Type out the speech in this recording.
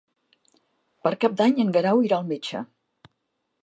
Per Cap d'Any en Guerau irà al metge.